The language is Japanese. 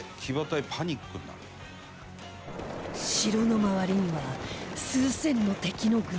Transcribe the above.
城の周りには数千の敵の軍勢